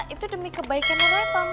itu demi kebaikan reva mas